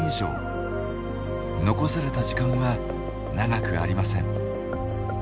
残された時間は長くありません。